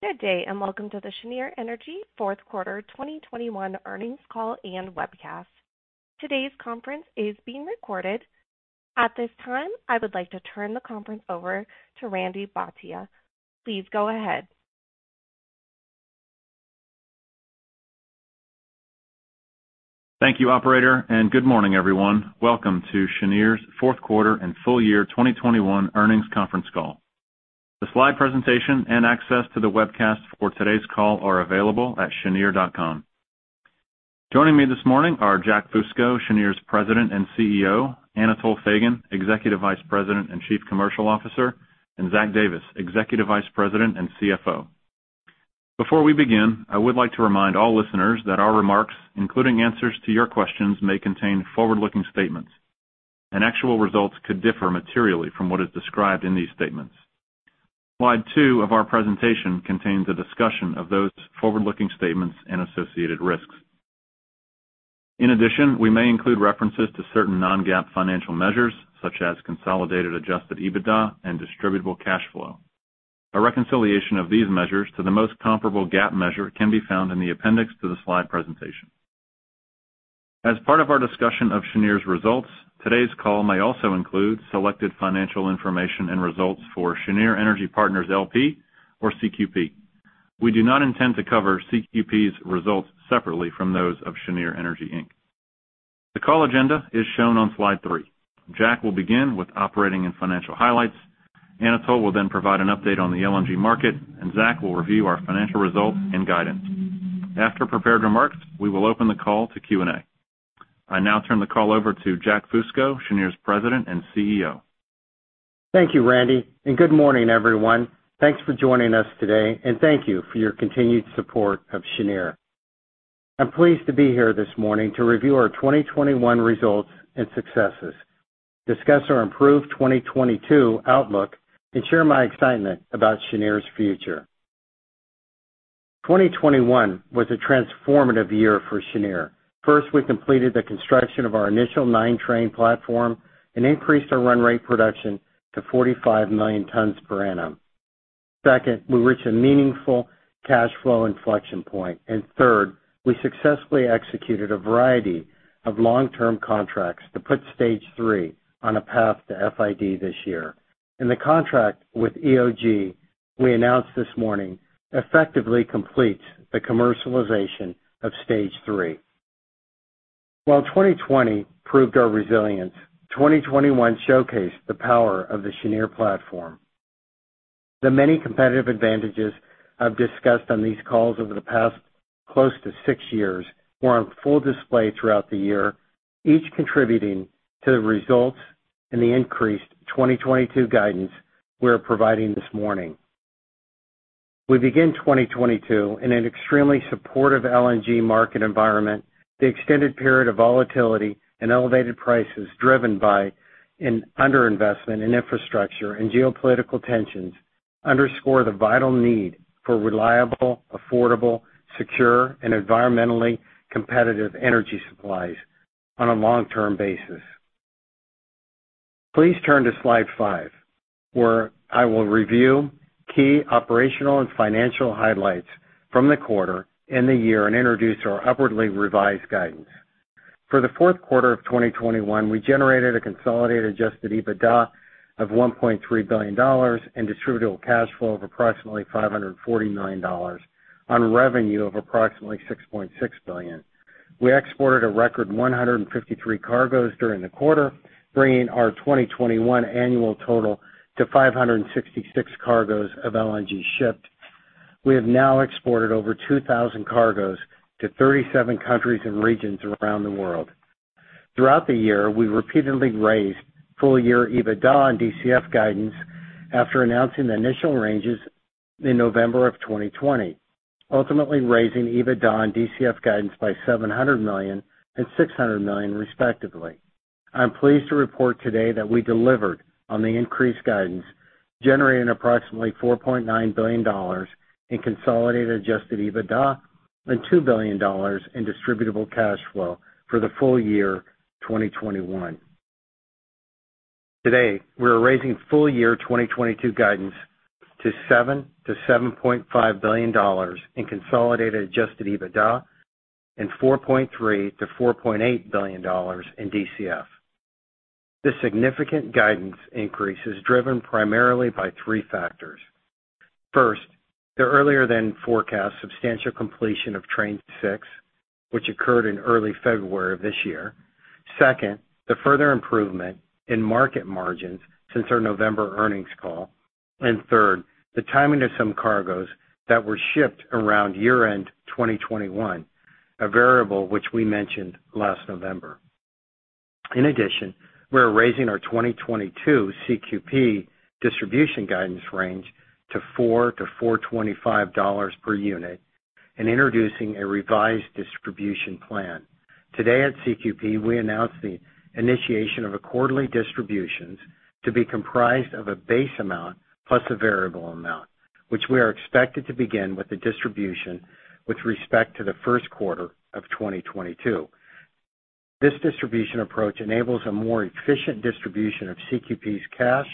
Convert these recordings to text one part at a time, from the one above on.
Good day, and welcome to the Cheniere Energy fourth quarter 2021 earnings call and webcast. Today's conference is being recorded. At this time, I would like to turn the conference over to Randy Bhatia. Please go ahead. Thank you, operator, and good morning, everyone. Welcome to Cheniere's fourth quarter and full year 2021 earnings conference call. The slide presentation and access to the webcast for today's call are available at cheniere.com. Joining me this morning are Jack Fusco, Cheniere's President and Chief Executive Officer, Anatol Feygin, Executive Vice President and Chief Commercial Officer, and Zach Davis, Executive Vice President and Chief Financial Officer. Before we begin, I would like to remind all listeners that our remarks, including answers to your questions, may contain forward-looking statements, and actual results could differ materially from what is described in these statements. Slide two of our presentation contains a discussion of those forward-looking statements and associated risks. In addition, we may include references to certain Non-GAAP financial measures, such as consolidated adjusted EBITDA and distributable cash flow. A reconciliation of these measures to the most comparable GAAP measure can be found in the appendix to the slide presentation. As part of our discussion of Cheniere's results, today's call may also include selected financial information and results for Cheniere Energy Partners, L.P. or CQP. We do not intend to cover CQP's results separately from those of Cheniere Energy, Inc. The call agenda is shown on slide three. Jack will begin with operating and financial highlights. Anatol will then provide an update on the LNG market, and Zach will review our financial results and guidance. After prepared remarks, we will open the call to Q&A. I now turn the call over to Jack Fusco, Cheniere's President and Chief Executive Officer. Thank you, Randy, and good morning, everyone. Thanks for joining us today, and thank you for your continued support of Cheniere. I'm pleased to be here this morning to review our 2021 results and successes, discuss our improved 2022 outlook, and share my excitement about Cheniere's future. 2021 was a transformative year for Cheniere. First, we completed the construction of our initial nine-train platform and increased our run rate production to 45 million tons per annum. Second, we reached a meaningful cash flow inflection point. Third, we successfully executed a variety of long-term contracts to put Stage 3 on a path to FID this year. The contract with EOG we announced this morning effectively completes the commercialization of Stage 3. While 2020 proved our resilience, 2021 showcased the power of the Cheniere platform. The many competitive advantages I've discussed on these calls over the past close to six years were on full display throughout the year, each contributing to the results and the increased 2022 guidance we are providing this morning. We begin 2022 in an extremely supportive LNG market environment. The extended period of volatility and elevated prices driven by an under-investment in infrastructure and geopolitical tensions underscore the vital need for reliable, affordable, secure, and environmentally competitive energy supplies on a long-term basis. Please turn to slide five, where I will review key operational and financial highlights from the quarter and the year and introduce our upwardly revised guidance. For the fourth quarter of 2021, we generated a consolidated adjusted EBITDA of $1.3 billion and distributable cash flow of approximately $540 million on revenue of approximately $6.6 billion. We exported a record 153 cargoes during the quarter, bringing our 2021 annual total to 566 cargoes of LNG shipped. We have now exported over 2,000 cargoes to 37 countries and regions around the world. Throughout the year, we repeatedly raised full-year EBITDA and DCF guidance after announcing the initial ranges in November 2020, ultimately raising EBITDA and DCF guidance by $700 million and $600 million, respectively. I'm pleased to report today that we delivered on the increased guidance, generating approximately $4.9 billion in consolidated adjusted EBITDA and $2 billion in distributable cash flow for the full year 2021. Today, we are raising full year 2022 guidance to $7 billion-$7.5 billion in consolidated adjusted EBITDA and $4.3 billion-$4.8 billion in DCF. This significant guidance increase is driven primarily by three factors. First, the earlier than forecast substantial completion of Train 6, which occurred in early February of this year. Second, the further improvement in market margins since our November earnings call. Third, the timing of some cargoes that were shipped around year-end 2021, a variable which we mentioned last November. In addition, we are raising our 2022 CQP distribution guidance range to $4-$4.25 per unit and introducing a revised distribution plan. Today at CQP, we announced the initiation of a quarterly distributions to be comprised of a base amount plus a variable amount, which we are expected to begin with the distribution with respect to the first quarter of 2022. This distribution approach enables a more efficient distribution of CQP's cash,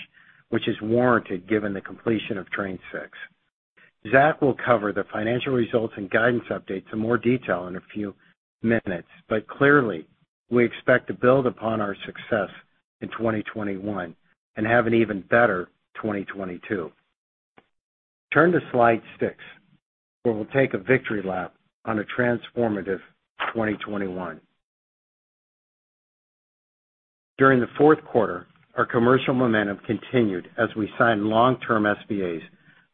which is warranted given the completion of Train 6. Zach will cover the financial results and guidance updates in more detail in a few minutes, but clearly, we expect to build upon our success in 2021 and have an even better 2022. Turn to slide six, where we'll take a victory lap on a transformative 2021. During the fourth quarter, our commercial momentum continued as we signed long-term SPAs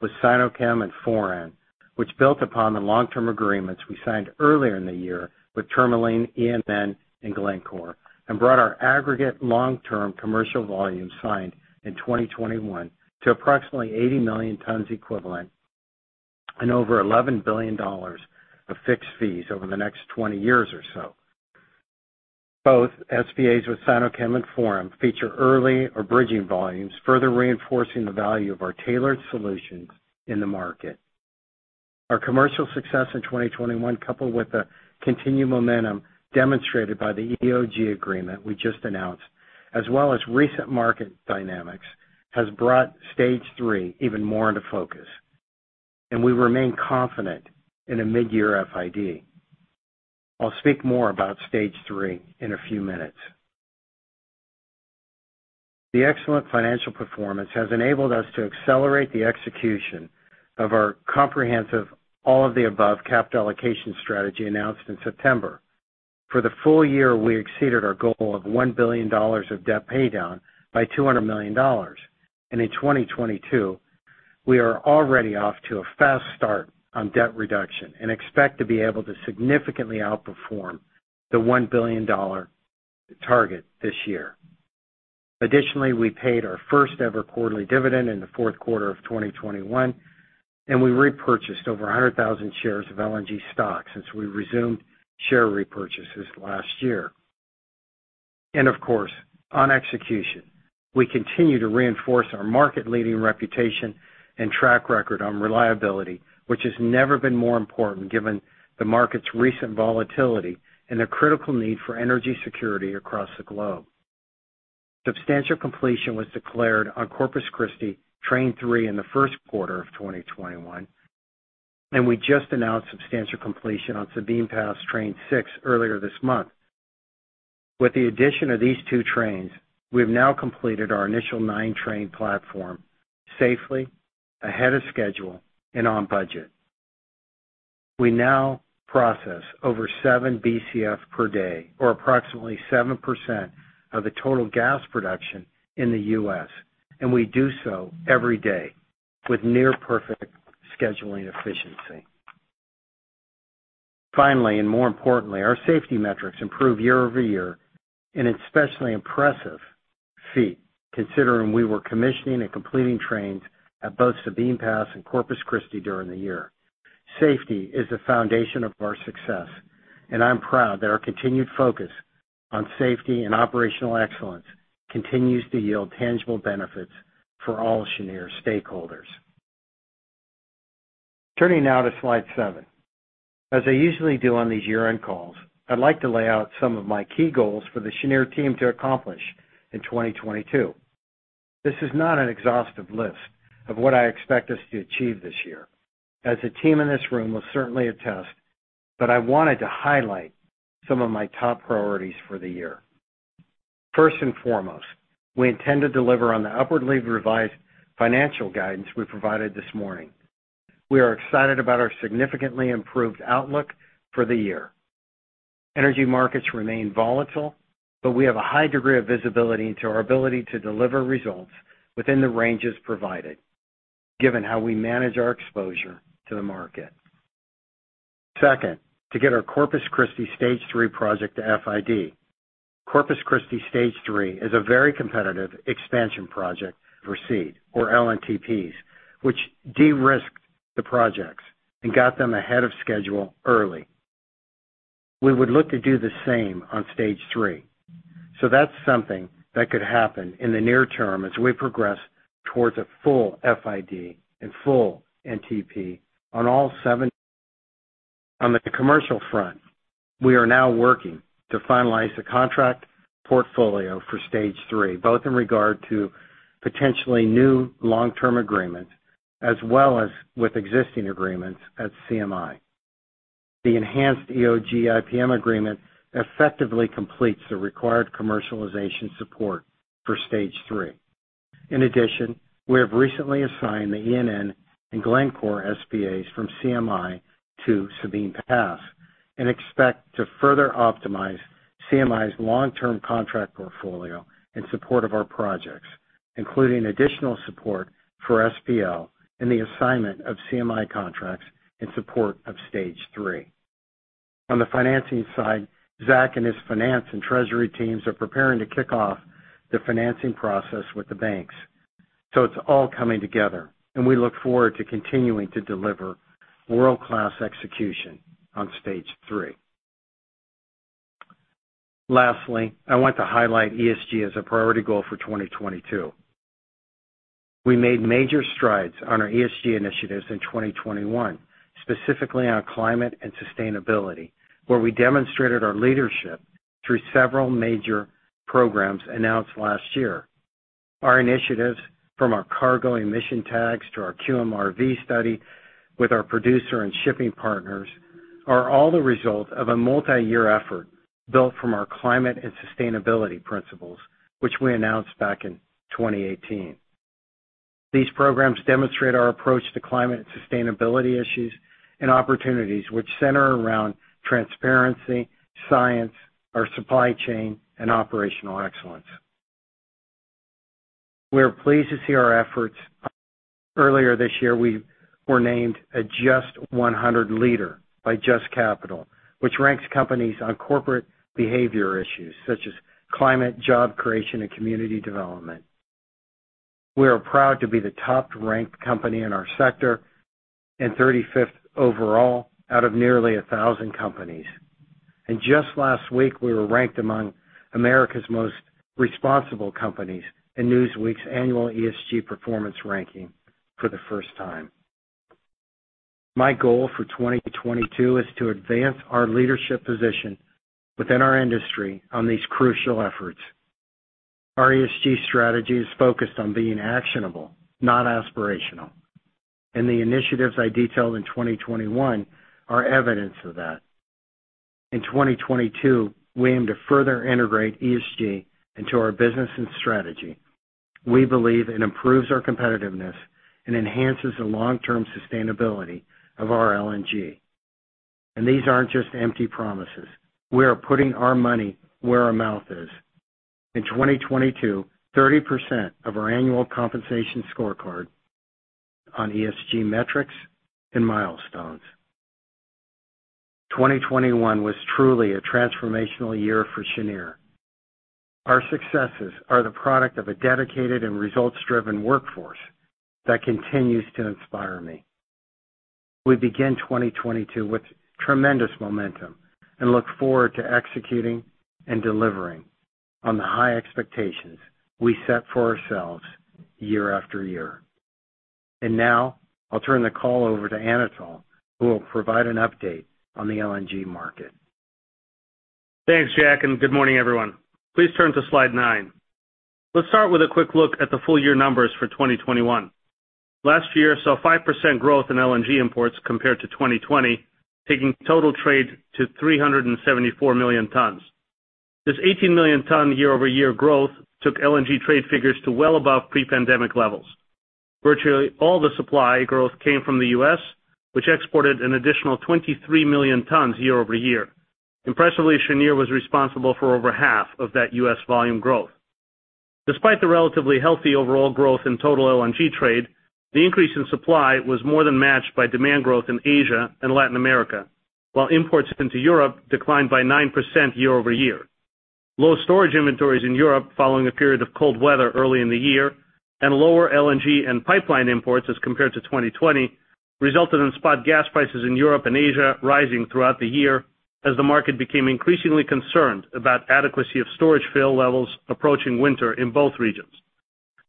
with Sinochem and Foran, which built upon the long-term agreements we signed earlier in the year with Tourmaline, ENN, and Glencore, and brought our aggregate long-term commercial volume signed in 2021 to approximately 80 million tons equivalent and over $11 billion of fixed fees over the next 20 years or so. Both SPAs with Sinochem and Foran feature early or bridging volumes, further reinforcing the value of our tailored solutions in the market. Our commercial success in 2021, coupled with the continued momentum demonstrated by the EOG agreement we just announced, as well as recent market dynamics, has brought Stage 3 even more into focus, and we remain confident in a mid-year FID. I'll speak more about Stage 3 in a few minutes. The excellent financial performance has enabled us to accelerate the execution of our comprehensive all of the above capital allocation strategy announced in September. For the full year, we exceeded our goal of $1 billion of debt paydown by $200 million. In 2022, we are already off to a fast start on debt reduction and expect to be able to significantly outperform the $1 billion target this year. Additionally, we paid our first-ever quarterly dividend in the fourth quarter of 2021, and we repurchased over 100,000 shares of LNG stock since we resumed share repurchases last year. Of course, on execution, we continue to reinforce our market-leading reputation and track record on reliability, which has never been more important given the market's recent volatility and the critical need for energy security across the globe. Substantial completion was declared on Corpus Christi Train 3 in the first quarter of 2021, and we just announced substantial completion on Sabine Pass Train 6 earlier this month. With the addition of these two trains, we've now completed our initial nine-train platform safely, ahead of schedule, and on budget. We now process over 7 BCF per day or approximately 7% of the total gas production in the U.S., and we do so every day with near-perfect scheduling efficiency. Finally, and more importantly, our safety metrics improve year-over-year in an especially impressive feat, considering we were commissioning and completing trains at both Sabine Pass and Corpus Christi during the year. Safety is the foundation of our success, and I'm proud that our continued focus on safety and operational excellence continues to yield tangible benefits for all Cheniere stakeholders. Turning now to slide seven. As I usually do on these year-end calls, I'd like to lay out some of my key goals for the Cheniere team to accomplish in 2022. This is not an exhaustive list of what I expect us to achieve this year. As the team in this room will certainly attest that I wanted to highlight some of my top priorities for the year. First and foremost, we intend to deliver on the upwardly revised financial guidance we provided this morning. We are excited about our significantly improved outlook for the year. Energy markets remain volatile, but we have a high degree of visibility into our ability to deliver results within the ranges provided, given how we manage our exposure to the market. Second, to get our Corpus Christi Stage 3 project to FID. Corpus Christi Stage 3 is a very competitive expansion project received, or LNTPs, which de-risked the projects and got them ahead of schedule early. We would look to do the same on Stage 3. That's something that could happen in the near term as we progress towards a full FID and full NTP on all seven. On the commercial front, we are now working to finalize the contract portfolio for Stage 3, both in regard to potentially new long-term agreements as well as with existing agreements at CMI. The enhanced EOG IPM agreement effectively completes the required commercialization support for Stage 3. In addition, we have recently assigned the ENN and Glencore SBAs from CMI to Sabine Pass and expect to further optimize CMI's long-term contract portfolio in support of our projects, including additional support for SPL and the assignment of CMI contracts in support of Stage 3. On the financing side, Zach and his finance and treasury teams are preparing to kick off the financing process with the banks. It's all coming together, and we look forward to continuing to deliver world-class execution on Stage 3. Lastly, I want to highlight ESG as a priority goal for 2022. We made major strides on our ESG initiatives in 2021, specifically on climate and sustainability, where we demonstrated our leadership through several major programs announced last year. Our initiatives, from our cargo emission tags to our QMRV study with our producer and shipping partners, are all the result of a multi-year effort built from our climate and sustainability principles, which we announced back in 2018. These programs demonstrate our approach to climate and sustainability issues and opportunities which center around transparency, science, our supply chain, and operational excellence. We are pleased to see our efforts. Earlier this year, we were named a JUST 100 Leader by JUST Capital, which ranks companies on corporate behavior issues such as climate, job creation, and community development. We are proud to be the top-ranked company in our sector and 35th overall out of nearly 1,000 companies. Just last week, we were ranked among America's most responsible companies in Newsweek's annual ESG performance ranking for the first time. My goal for 2022 is to advance our leadership position within our industry on these crucial efforts. Our ESG strategy is focused on being actionable, not aspirational, and the initiatives I detailed in 2021 are evidence of that. In 2022, we aim to further integrate ESG into our business and strategy. We believe it improves our competitiveness and enhances the long-term sustainability of our LNG. These aren't just empty promises. We are putting our money where our mouth is in 2022, 30% of our annual compensation scorecard on ESG metrics and milestones. 2021 was truly a transformational year for Cheniere. Our successes are the product of a dedicated and results-driven workforce that continues to inspire me. We begin 2022 with tremendous momentum and look forward to executing and delivering on the high expectations we set for ourselves year after year. Now I'll turn the call over to Anatol, who will provide an update on the LNG market. Thanks, Jack, and good morning, everyone. Please turn to slide nine. Let's start with a quick look at the full year numbers for 2021. Last year saw 5% growth in LNG imports compared to 2020, taking total trade to 374 million tons. This 18 million ton year-over-year growth took LNG trade figures to well above pre-pandemic levels. Virtually all the supply growth came from the U.S., which exported an additional 23 million tons year-over-year. Impressively, Cheniere was responsible for over half of that U.S. volume growth. Despite the relatively healthy overall growth in total LNG trade, the increase in supply was more than matched by demand growth in Asia and Latin America, while imports into Europe declined by 9% year-over-year. Low storage inventories in Europe, following a period of cold weather early in the year, and lower LNG and pipeline imports as compared to 2020, resulted in spot gas prices in Europe and Asia rising throughout the year as the market became increasingly concerned about adequacy of storage fill levels approaching winter in both regions.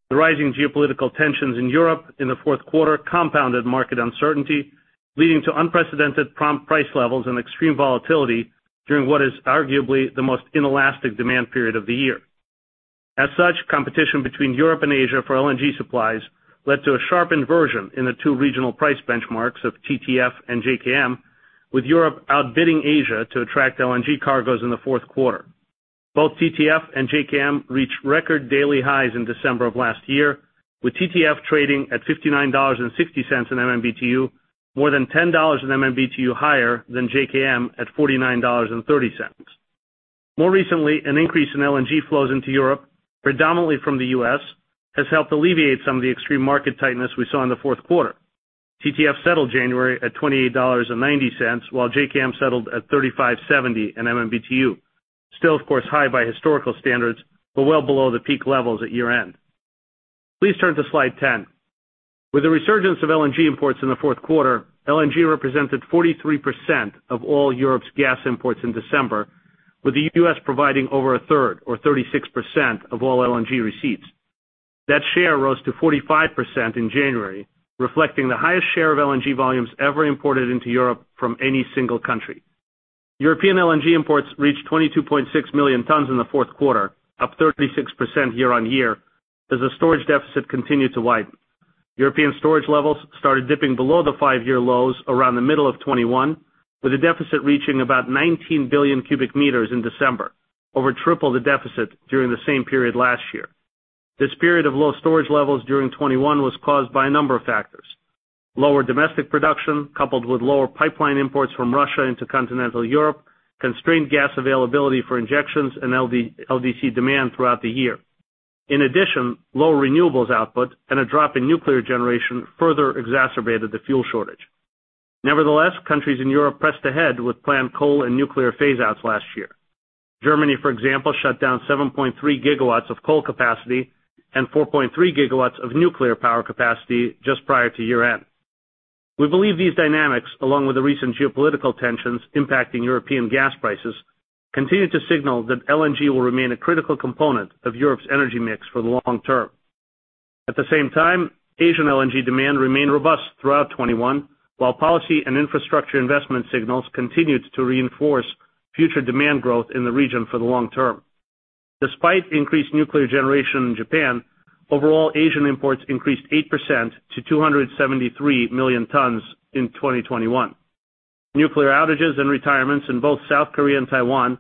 The rising geopolitical tensions in Europe in the fourth quarter compounded market uncertainty, leading to unprecedented prompt price levels and extreme volatility during what is arguably the most inelastic demand period of the year. As such, competition between Europe and Asia for LNG supplies led to a sharp inversion in the two regional price benchmarks of TTF and JKM, with Europe outbidding Asia to attract LNG cargoes in the fourth quarter. Both TTF and JKM reached record daily highs in December of last year, with TTF trading at $59.60 in MMBTU, more than $10 in MMBTU higher than JKM at $49.30. More recently, an increase in LNG flows into Europe, predominantly from the U.S., has helped alleviate some of the extreme market tightness we saw in the fourth quarter. TTF settled January at $28.90, while JKM settled at $35.70 in MMBTU. Still, of course, high by historical standards, but well below the peak levels at year-end. Please turn to Slide 10. With the resurgence of LNG imports in the fourth quarter, LNG represented 43% of all Europe's gas imports in December, with the U.S. providing over a third, or 36% of all LNG receipts. That share rose to 45% in January, reflecting the highest share of LNG volumes ever imported into Europe from any single country. European LNG imports reached 22.6 million tons in the fourth quarter, up 36% year-on-year, as the storage deficit continued to widen. European storage levels started dipping below the five-year lows around the middle of 2021, with the deficit reaching about 19 billion cubic meters in December, over triple the deficit during the same period last year. This period of low storage levels during 2021 was caused by a number of factors. Lower domestic production coupled with lower pipeline imports from Russia into continental Europe constrained gas availability for injections and LDC demand throughout the year. In addition, low renewables output and a drop in nuclear generation further exacerbated the fuel shortage. Nevertheless, countries in Europe pressed ahead with planned coal and nuclear phase outs last year. Germany, for example, shut down 7.3 GW of coal capacity and 4.3 GW of nuclear power capacity just prior to year-end. We believe these dynamics, along with the recent geopolitical tensions impacting European gas prices, continue to signal that LNG will remain a critical component of Europe's energy mix for the long term. At the same time, Asian LNG demand remained robust throughout 2021, while policy and infrastructure investment signals continued to reinforce future demand growth in the region for the long term. Despite increased nuclear generation in Japan, overall Asian imports increased 8% to 273 million tons in 2021. Nuclear outages and retirements in both South Korea and Taiwan,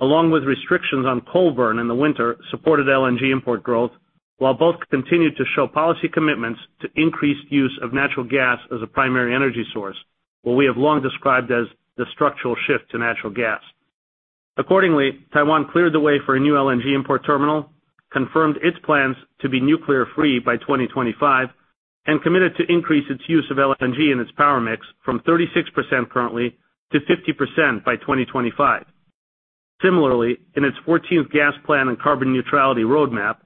along with restrictions on coal burn in the winter, supported LNG import growth, while both continued to show policy commitments to increased use of natural gas as a primary energy source, what we have long described as the structural shift to natural gas. Accordingly, Taiwan cleared the way for a new LNG import terminal, confirmed its plans to be nuclear-free by 2025, and committed to increase its use of LNG in its power mix from 36% currently to 50% by 2025. Similarly, in its 14th gas plan and carbon neutrality roadmap,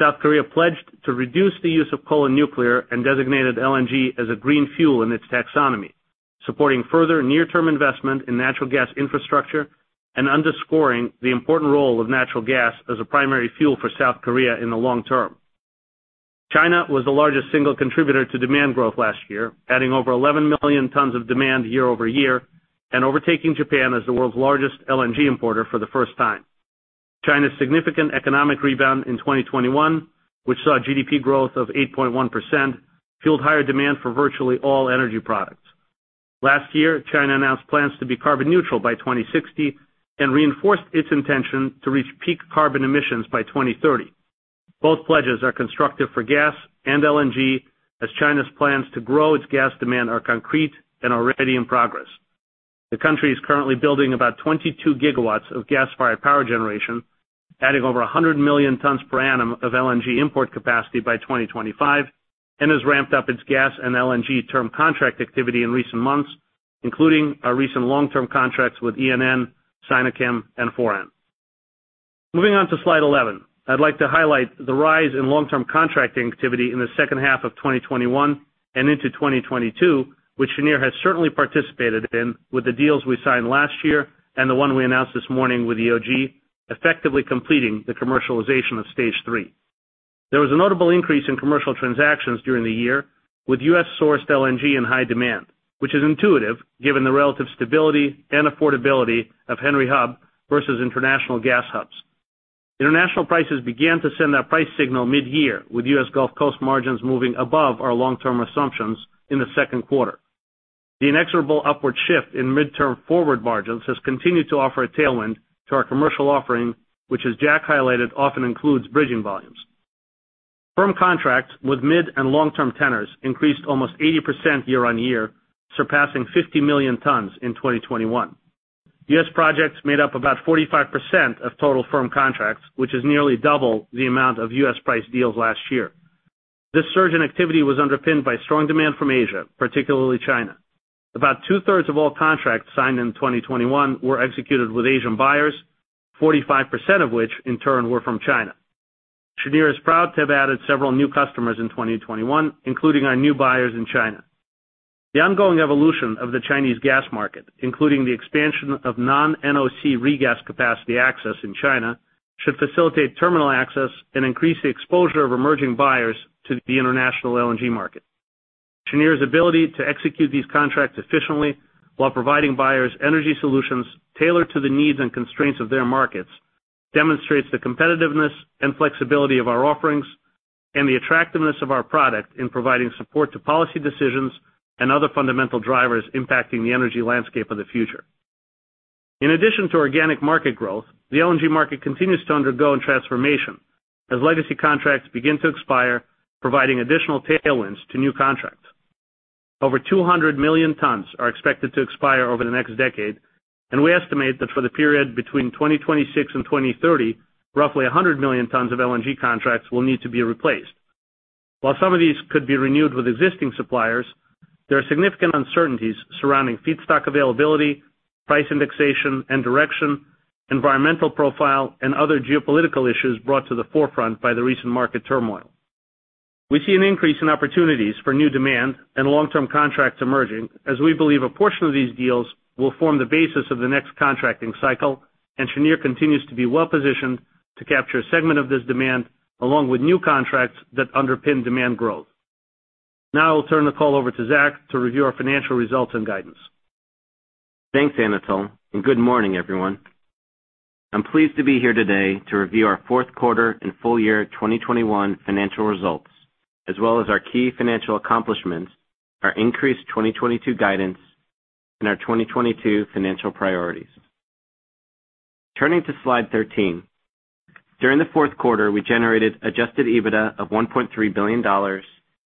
South Korea pledged to reduce the use of coal and nuclear, and designated LNG as a green fuel in its taxonomy, supporting further near-term investment in natural gas infrastructure and underscoring the important role of natural gas as a primary fuel for South Korea in the long term. China was the largest single contributor to demand growth last year, adding over 11 million tons of demand year-over-year and overtaking Japan as the world's largest LNG importer for the first time. China's significant economic rebound in 2021, which saw GDP growth of 8.1%, fueled higher demand for virtually all energy products. Last year, China announced plans to be carbon neutral by 2060 and reinforced its intention to reach peak carbon emissions by 2030. Both pledges are constructive for gas and LNG as China's plans to grow its gas demand are concrete and already in progress. The country is currently building about 22 GW of gas-fired power generation, adding over 100 million tons per annum of LNG import capacity by 2025, and has ramped up its gas and LNG term contract activity in recent months, including our recent long-term contracts with ENN, Sinochem, and Foran. Moving on to Slide 11, I'd like to highlight the rise in long-term contracting activity in the second half of 2021 and into 2022, which Cheniere has certainly participated in with the deals we signed last year and the one we announced this morning with EOG, effectively completing the commercialization of Stage 3. There was a notable increase in commercial transactions during the year with U.S.-sourced LNG in high demand, which is intuitive given the relative stability and affordability of Henry Hub versus international gas hubs. International prices began to send that price signal mid-year, with U.S. Gulf Coast margins moving above our long-term assumptions in the second quarter. The inexorable upward shift in midterm forward margins has continued to offer a tailwind to our commercial offering, which, as Jack highlighted, often includes bridging volumes. Firm contracts with mid and long-term tenors increased almost 80% year-on-year, surpassing 50 million tons in 2021. U.S. projects made up about 45% of total firm contracts, which is nearly double the amount of U.S.-priced deals last year. This surge in activity was underpinned by strong demand from Asia, particularly China. About 2/3 of all contracts signed in 2021 were executed with Asian buyers, 45% of which in turn were from China. Cheniere is proud to have added several new customers in 2021, including our new buyers in China. The ongoing evolution of the Chinese gas market, including the expansion of non-NOC regas capacity access in China, should facilitate terminal access and increase the exposure of emerging buyers to the international LNG market. Cheniere's ability to execute these contracts efficiently while providing buyers energy solutions tailored to the needs and constraints of their markets demonstrates the competitiveness and flexibility of our offerings and the attractiveness of our product in providing support to policy decisions and other fundamental drivers impacting the energy landscape of the future. In addition to organic market growth, the LNG market continues to undergo transformation as legacy contracts begin to expire, providing additional tailwinds to new contracts. Over 200 million tons are expected to expire over the next decade, and we estimate that for the period between 2026 and 2030, roughly 100 million tons of LNG contracts will need to be replaced. While some of these could be renewed with existing suppliers, there are significant uncertainties surrounding feedstock availability, price indexation and direction, environmental profile, and other geopolitical issues brought to the forefront by the recent market turmoil. We see an increase in opportunities for new demand and long-term contracts emerging, as we believe a portion of these deals will form the basis of the next contracting cycle. Cheniere continues to be well-positioned to capture a segment of this demand, along with new contracts that underpin demand growth. Now I'll turn the call over to Zach to review our financial results and guidance. Thanks, Anatol, and good morning, everyone. I'm pleased to be here today to review our fourth quarter and full year 2021 financial results, as well as our key financial accomplishments, our increased 2022 guidance, and our 2022 financial priorities. Turning to Slide 13, during the fourth quarter, we generated adjusted EBITDA of $1.3 billion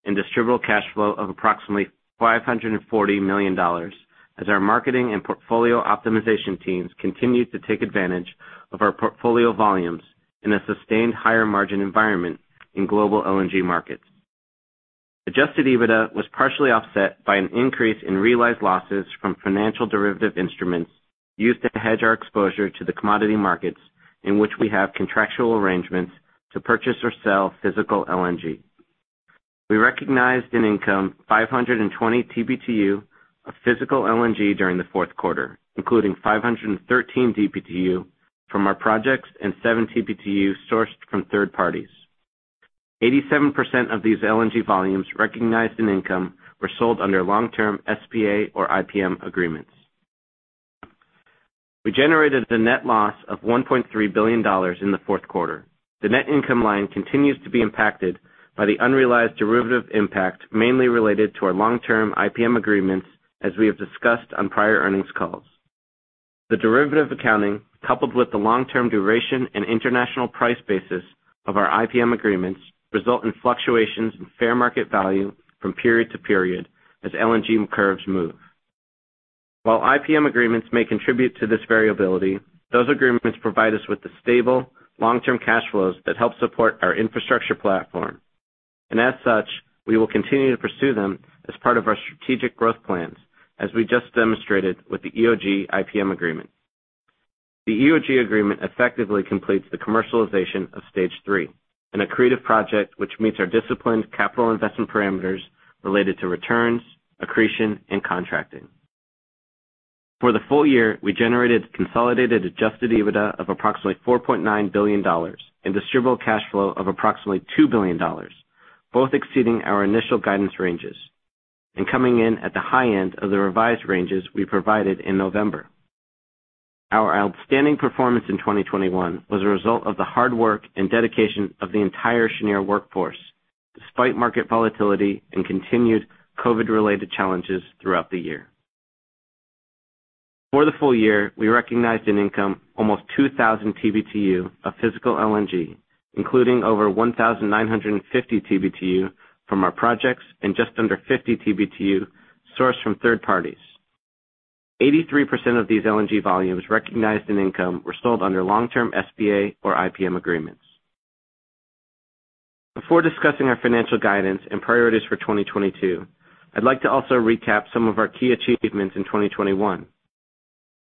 and distributable cash flow of approximately $540 million, as our marketing and portfolio optimization teams continued to take advantage of our portfolio volumes in a sustained higher-margin environment in global LNG markets. Adjusted EBITDA was partially offset by an increase in realized losses from financial derivative instruments used to hedge our exposure to the commodity markets in which we have contractual arrangements to purchase or sell physical LNG. We recognized in income 520 TBTU of physical LNG during the fourth quarter, including 513 TBTU from our projects and 7 TBTU sourced from third parties. 87% of these LNG volumes recognized in income were sold under long-term SPA or IPM agreements. We generated a net loss of $1.3 billion in the fourth quarter. The net income line continues to be impacted by the unrealized derivative impact, mainly related to our long-term IPM agreements, as we have discussed on prior earnings calls. The derivative accounting, coupled with the long-term duration and international price basis of our IPM agreements, result in fluctuations in fair market value from period to period as LNG curves move. While IPM agreements may contribute to this variability, those agreements provide us with the stable long-term cash flows that help support our infrastructure platform. As such, we will continue to pursue them as part of our strategic growth plans, as we just demonstrated with the EOG IPM agreement. The EOG agreement effectively completes the commercialization of Stage 3, an accretive project which meets our disciplined capital investment parameters related to returns, accretion, and contracting. For the full year, we generated consolidated adjusted EBITDA of approximately $4.9 billion and distributable cash flow of approximately $2 billion, both exceeding our initial guidance ranges and coming in at the high end of the revised ranges we provided in November. Our outstanding performance in 2021 was a result of the hard work and dedication of the entire Cheniere workforce, despite market volatility and continued COVID-related challenges throughout the year. For the full year, we recognized an income almost 2,000 TBTU of physical LNG, including over 1,950 TBTU from our projects and just under 50 TBTU sourced from third parties. 83% of these LNG volumes recognized in income were sold under long-term SPA or IPM agreements. Before discussing our financial guidance and priorities for 2022, I'd like to also recap some of our key achievements in 2021.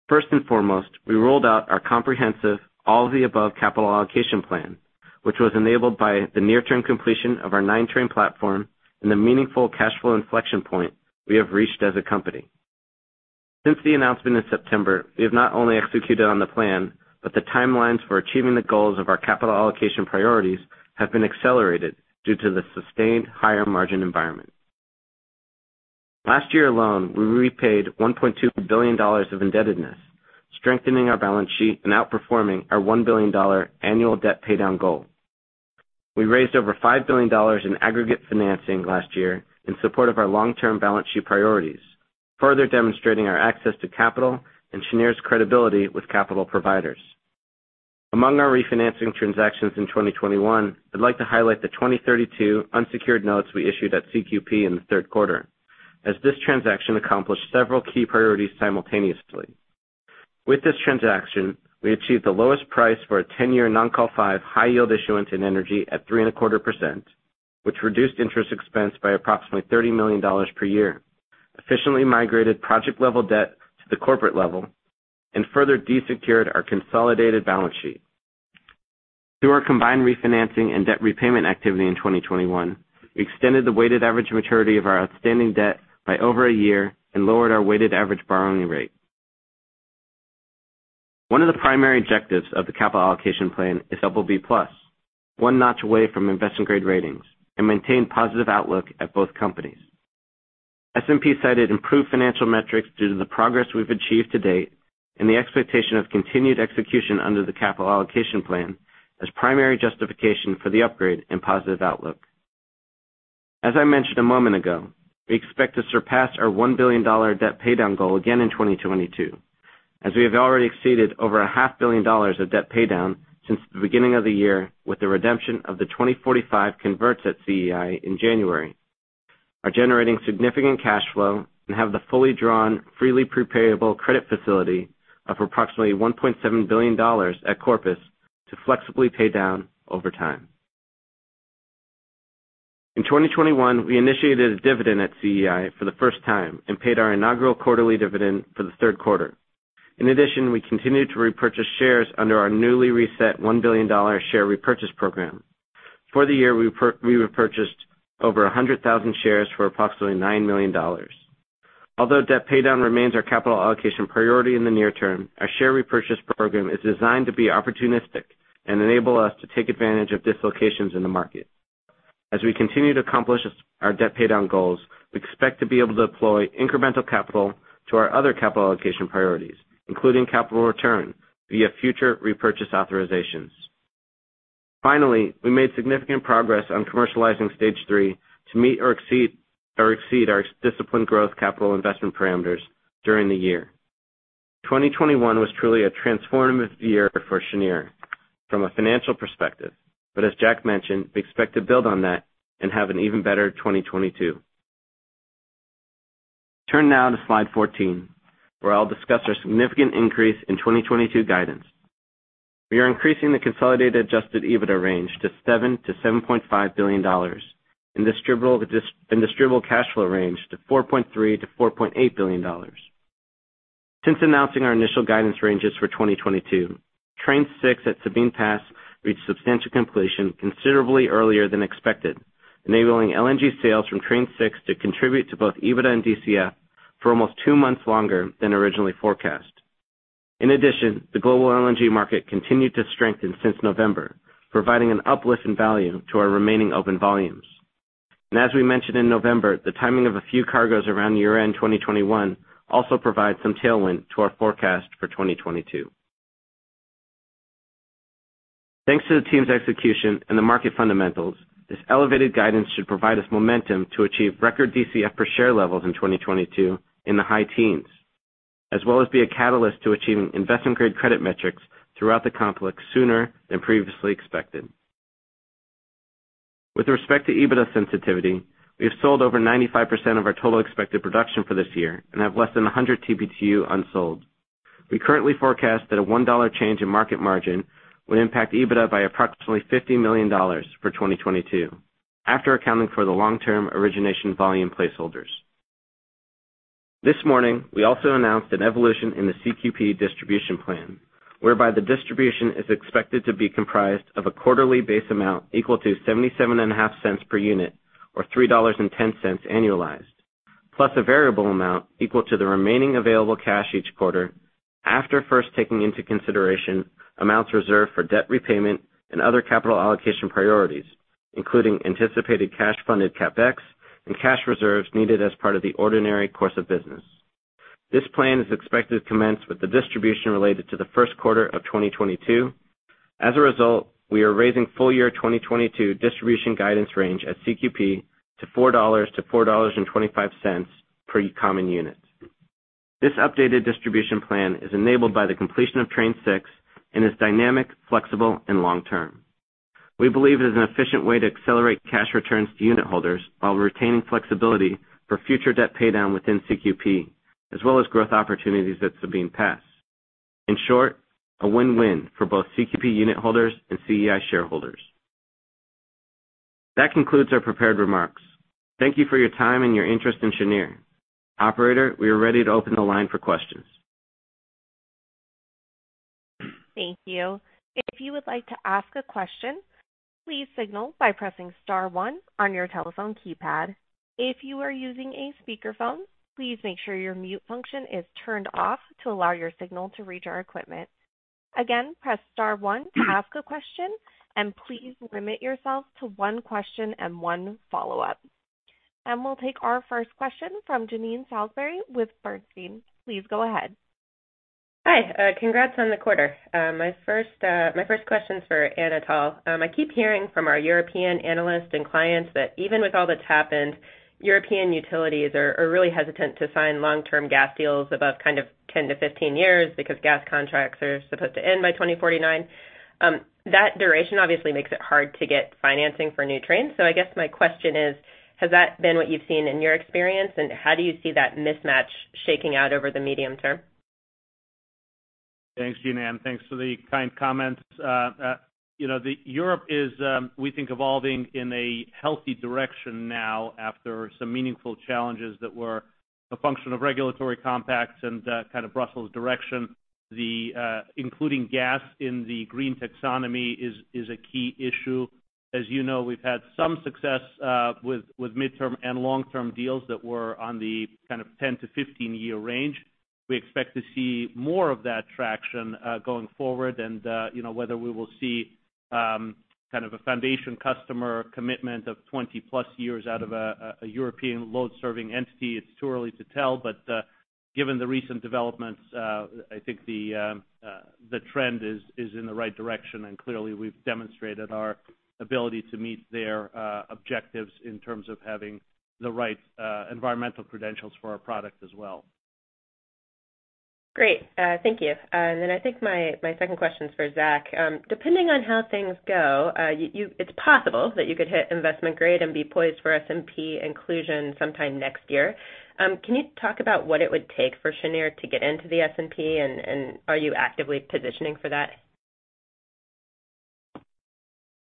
First and foremost, we rolled out our comprehensive all-of-the-above capital allocation plan, which was enabled by the near-term completion of our nine-train platform and the meaningful cash flow inflection point we have reached as a company. Since the announcement in September, we have not only executed on the plan, but the timelines for achieving the goals of our capital allocation priorities have been accelerated due to the sustained higher-margin environment. Last year alone, we repaid $1.2 billion of indebtedness, strengthening our balance sheet and outperforming our $1 billion annual debt paydown goal. We raised over $5 billion in aggregate financing last year in support of our long-term balance sheet priorities, further demonstrating our access to capital and Cheniere's credibility with capital providers. Among our refinancing transactions in 2021, I'd like to highlight the 2032 unsecured notes we issued at CQP in the third quarter, as this transaction accomplished several key priorities simultaneously. With this transaction, we achieved the lowest price for a 10-year non-call 5 high-yield issuance in energy at 3.25%, which reduced interest expense by approximately $30 million per year, efficiently migrated project-level debt to the corporate level, and further de-secured our consolidated balance sheet. Through our combined refinancing and debt repayment activity in 2021, we extended the weighted average maturity of our outstanding debt by over a year and lowered our weighted average borrowing rate. One of the primary objectives of the capital allocation plan is BB+, one notch away from investment-grade ratings, and maintain positive outlook at both companies. S&P cited improved financial metrics due to the progress we've achieved to date and the expectation of continued execution under the capital allocation plan as primary justification for the upgrade and positive outlook. As I mentioned a moment ago, we expect to surpass our $1 billion debt paydown goal again in 2022, as we have already exceeded over $0.5 billion of debt paydown since the beginning of the year with the redemption of the 2045 converts at CEI in January, are generating significant cash flow, and have the fully drawn, freely prepayable credit facility of approximately $1.7 billion at Corpus to flexibly pay down over time. In 2021, we initiated a dividend at CEI for the first time and paid our inaugural quarterly dividend for the third quarter. In addition, we continued to repurchase shares under our newly reset $1 billion share repurchase program. For the year, we repurchased over 100,000 shares for approximately $9 million. Although debt paydown remains our capital allocation priority in the near term, our share repurchase program is designed to be opportunistic and enable us to take advantage of dislocations in the market. As we continue to accomplish our debt paydown goals, we expect to be able to deploy incremental capital to our other capital allocation priorities, including capital return via future repurchase authorizations. Finally, we made significant progress on commercializing Stage 3 to meet or exceed our disciplined growth capital investment parameters during the year. 2021 was truly a transformative year for Cheniere from a financial perspective, but as Jack mentioned, we expect to build on that and have an even better 2022. Turn now to Slide 14, where I'll discuss our significant increase in 2022 guidance. We are increasing the consolidated adjusted EBITDA range to $7 billion-$7.5 billion and distributable cash flow range to $4.3 billion-$4.8 billion. Since announcing our initial guidance ranges for 2022, Train 6 at Sabine Pass reached substantial completion considerably earlier than expected, enabling LNG sales from Train 6 to contribute to both EBITDA and DCF for almost two months longer than originally forecast. In addition, the global LNG market continued to strengthen since November, providing an uplift in value to our remaining open volumes. As we mentioned in November, the timing of a few cargoes around year-end 2021 also provide some tailwind to our forecast for 2022. Thanks to the team's execution and the market fundamentals, this elevated guidance should provide us momentum to achieve record DCF per share levels in 2022 in the high teens, as well as be a catalyst to achieving investment-grade credit metrics throughout the complex sooner than previously expected. With respect to EBITDA sensitivity, we have sold over 95% of our total expected production for this year and have less than 100 TBTU unsold. We currently forecast that a $1 change in market margin would impact EBITDA by approximately $50 million for 2022, after accounting for the long-term origination volume placeholders. This morning, we also announced an evolution in the CQP distribution plan, whereby the distribution is expected to be comprised of a quarterly base amount equal to $0.775 per unit or $3.10 annualized, plus a variable amount equal to the remaining available cash each quarter after first taking into consideration amounts reserved for debt repayment and other capital allocation priorities, including anticipated cash-funded CapEx and cash reserves needed as part of the ordinary course of business. This plan is expected to commence with the distribution related to the first quarter of 2022. As a result, we are raising full-year 2022 distribution guidance range at CQP to $4-$4.25 per common unit. This updated distribution plan is enabled by the completion of Train 6 and is dynamic, flexible, and long-term. We believe it is an efficient way to accelerate cash returns to unit holders while retaining flexibility for future debt paydown within CQP, as well as growth opportunities at Sabine Pass. In short, a win-win for both CQP unit holders and CEI shareholders. That concludes our prepared remarks. Thank you for your time and your interest in Cheniere. Operator, we are ready to open the line for questions. Thank you. If you would like to ask a question, please signal by pressing star one on your telephone keypad. If you are using a speakerphone, please make sure your mute function is turned off to allow your signal to reach our equipment. Again, press star one to ask a question and please limit yourself to one question and one follow-up. We'll take our first question from Jean Ann Salisbury with Bernstein. Please go ahead. Hi, congrats on the quarter. My first question is for Anatol. I keep hearing from our European analysts and clients that even with all that's happened, European utilities are really hesitant to sign long-term gas deals above kind of 10 years-15 years because gas contracts are supposed to end by 2049. That duration obviously makes it hard to get financing for new trains. I guess my question is, has that been what you've seen in your experience, and how do you see that mismatch shaking out over the medium term? Thanks, Jeannine, and thanks for the kind comments. You know, Europe is, we think, evolving in a healthy direction now after some meaningful challenges that were a function of regulatory compacts and kind of Brussels direction. Including gas in the green taxonomy is a key issue. As you know, we've had some success with midterm and long-term deals that were on the kind of 10-year to 15-year range. We expect to see more of that traction going forward. You know, whether we will see kind of a foundation customer commitment of 20+ years out of a European load-serving entity, it's too early to tell. Given the recent developments, I think the trend is in the right direction, and clearly, we've demonstrated our ability to meet their objectives in terms of having the right environmental credentials for our product as well. Great. Thank you. I think my second question is for Zach. Depending on how things go, it's possible that you could hit investment grade and be poised for S&P inclusion sometime next year. Can you talk about what it would take for Cheniere to get into the S&P? And are you actively positioning for that?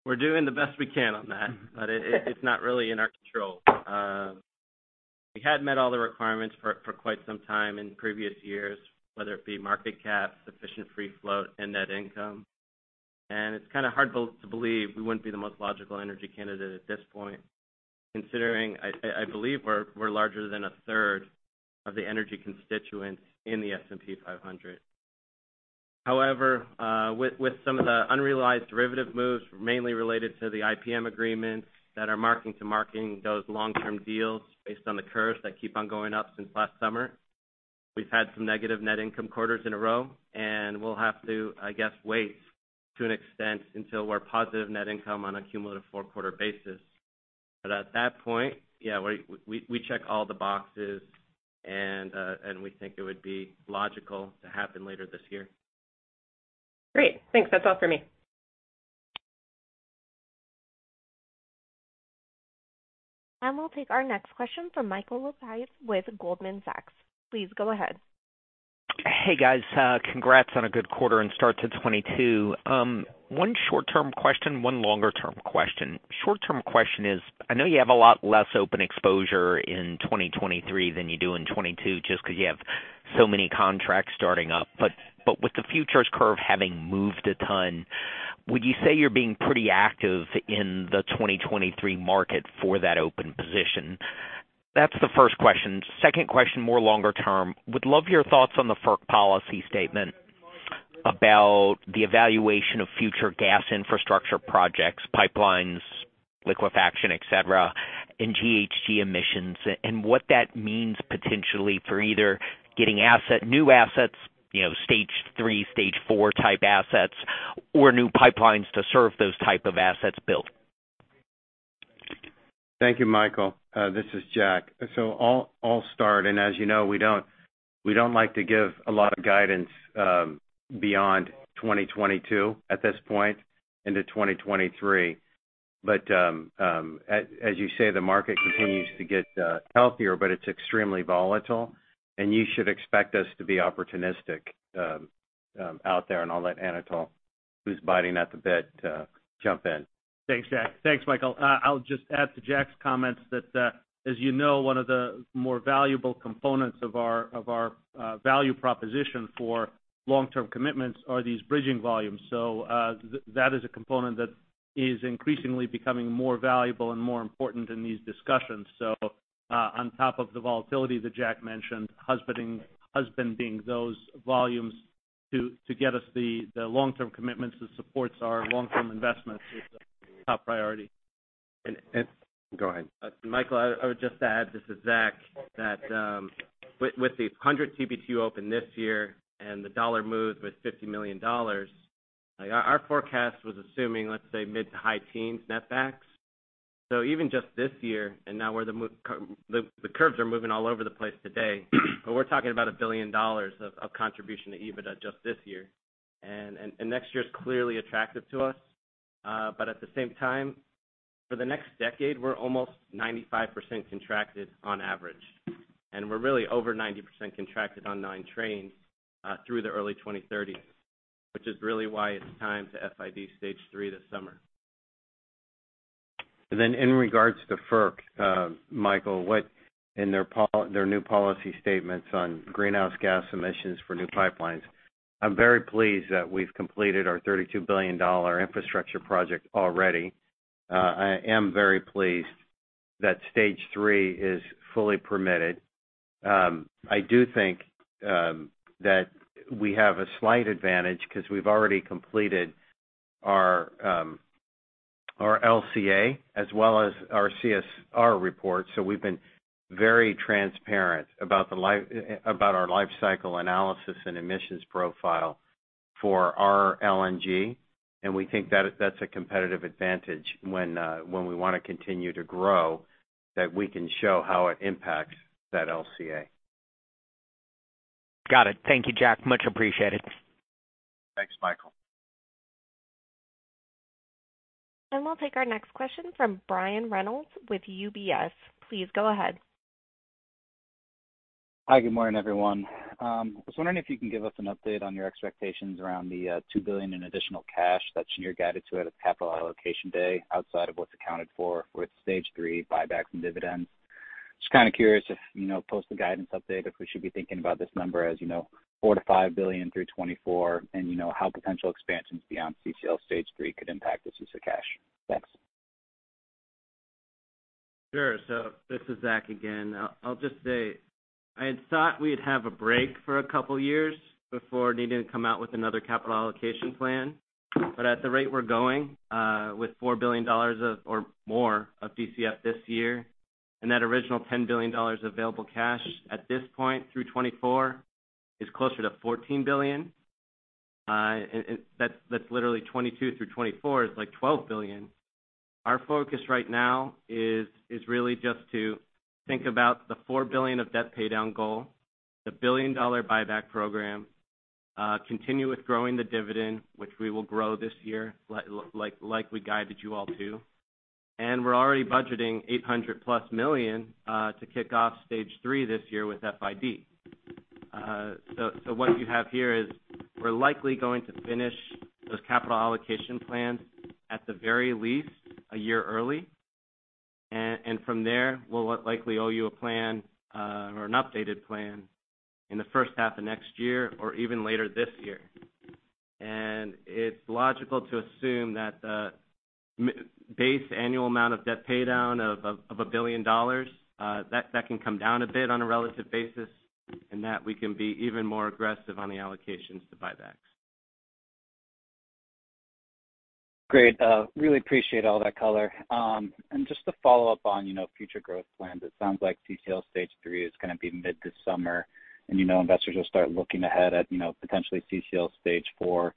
We're doing the best we can on that, but it's not really in our control. We had met all the requirements for quite some time in previous years, whether it be market cap, sufficient free float, and net income. It's kind of hard to believe we wouldn't be the most logical energy candidate at this point, considering I believe we're larger than a third of the energy constituents in the S&P 500. However, with some of the unrealized derivative moves, mainly related to the IPM agreements that are marking those long-term deals based on the curves that keep on going up since last summer, we've had some negative net income quarters in a row, and we'll have to, I guess, wait to an extent until we're positive net income on a cumulative four-quarter basis. At that point, yeah, we check all the boxes and we think it would be logical to happen later this year. Great. Thanks. That's all for me. We'll take our next question from Michael Lapides with Goldman Sachs. Please go ahead. Hey, guys. Congrats on a good quarter and start to 2022. One short-term question, one longer-term question. Short-term question is, I know you have a lot less open exposure in 2023 than you do in 2022, just 'cause you have so many contracts starting up. With the futures curve having moved a ton, would you say you're being pretty active in the 2023 market for that open position? That's the first question. Second question, more longer term. Would love your thoughts on the FERC policy statement about the evaluation of future gas infrastructure projects, pipelines, liquefaction, et cetera, and GHG emissions and what that means potentially for either getting asset, new assets, you know, Stage 3, Stage 4 type assets or new pipelines to serve those type of assets built. Thank you, Michael. This is Jack. I'll start. As you know, we don't like to give a lot of guidance beyond 2022 at this point into 2023. As you say, the market continues to get healthier, but it's extremely volatile, and you should expect us to be opportunistic out there. I'll let Anatol, who's biting at the bit, jump in. Thanks, Jack. Thanks, Michael. I'll just add to Jack's comments that, as you know, one of the more valuable components of our value proposition for long-term commitments are these bridging volumes. That is a component that is increasingly becoming more valuable and more important in these discussions. On top of the volatility that Jack mentioned, husbanding those volumes to get us the long-term commitments that supports our long-term investments is a top priority. Go ahead. Michael, I would just add, this is Zach, that with these 100 TBTU open this year and the $1 move with $50 million, our forecast was assuming, let's say, mid- to high-teens net backs. Even just this year, and now the curves are moving all over the place today, but we're talking about a $1 billion contribution to EBITDA just this year. Next year is clearly attractive to us. At the same time, for the next decade, we're almost 95% contracted on average. We're really over 90% contracted on nine trains through the early 2030. Which is really why it's time to FID Stage 3 this summer. In regards to FERC, Michael, in their new policy statements on greenhouse gas emissions for new pipelines, I'm very pleased that we've completed our $32 billion infrastructure project already. I am very pleased that Stage 3 is fully permitted. I do think that we have a slight advantage 'cause we've already completed our LCA as well as our CSR report. So we've been very transparent about the life about our lifecycle analysis and emissions profile for our LNG, and we think that's a competitive advantage when we wanna continue to grow, that we can show how it impacts that LCA. Got it. Thank you, Jack. Much appreciated. Thanks, Michael. We'll take our next question from Brian Reynolds with UBS. Please go ahead. Hi, good morning, everyone. I was wondering if you can give us an update on your expectations around the $2 billion in additional cash that you guided to at a Capital Allocation Day outside of what's accounted for with Stage 3 buybacks and dividends. Just kind of curious if, you know, post the guidance update, if we should be thinking about this number as, you know, $4 billion-$5 billion through 2024, and, you know, how potential expansions beyond CCL Stage 3 could impact this use of cash. Thanks. This is Zach again. I'll just say, I had thought we'd have a break for a couple years before needing to come out with another capital allocation plan. At the rate we're going, with $4 billion or more of DCF this year, and that original $10 billion available cash at this point through 2024 is closer to $14 billion. And that's literally 2022 through 2024 is like $12 billion. Our focus right now is really just to think about the $4 billion of debt paydown goal, the $1 billion buyback program, continue with growing the dividend, which we will grow this year, like we guided you all to. We're already budgeting $800 million+ to kick off Stage 3 this year with FID. What you have here is we're likely going to finish those capital allocation plans at the very least a year early. From there, we'll likely owe you a plan or an updated plan in the first half of next year or even later this year. It's logical to assume that the base annual amount of debt paydown of $1 billion that can come down a bit on a relative basis, and that we can be even more aggressive on the allocations to buybacks. Great. Really appreciate all that color. Just to follow up on, you know, future growth plans, it sounds like CCL Stage 3 is gonna be mid this summer, and you know, investors will start looking ahead at, you know, potentially CCL Stage 4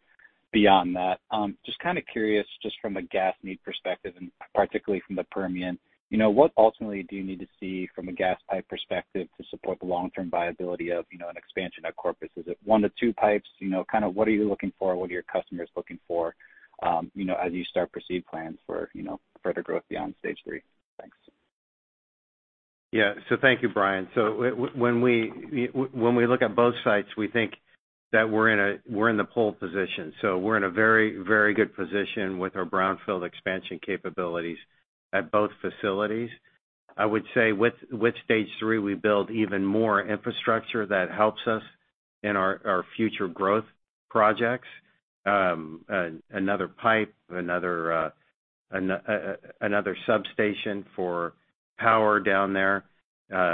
beyond that. Just kinda curious just from a gas need perspective, and particularly from the Permian, you know, what ultimately do you need to see from a gas pipe perspective to support the long-term viability of, you know, an expansion at Corpus? Is it one pipe to two pipes? You know, kind of what are you looking for? What are your customers looking for, you know, as you start to proceed plans for, you know, further growth beyond Stage 3? Thank you, Brian. When we look at both sites, we think that we're in the pole position. We're in a very, very good position with our brownfield expansion capabilities at both facilities. I would say with Stage 3, we build even more infrastructure that helps us in our future growth projects. Another pipe, another substation for power down there,